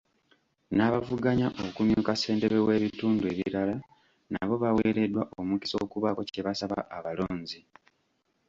N'abavuganya okumyuka Ssentebe mubitundu ebirala nabo baweereddwa omukisa okubaako kye basaba abalonzi.